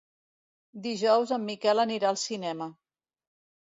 Dijous en Miquel anirà al cinema.